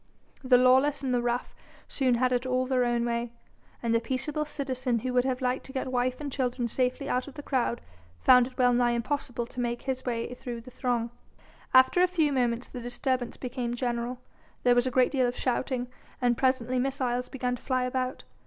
The lawless and the rough soon had it all their own way, and the peaceable citizen who would have liked to get wife and children safely out of the crowd found it well nigh impossible to make his way through the throng. After a few moments the disturbance became general; there was a great deal of shouting and presently missiles began to fly about.